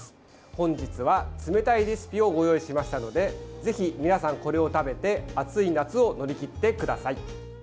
本日は冷たいレシピをご用意しましたのでぜひ皆さん、これを食べて暑い夏を乗り切ってください。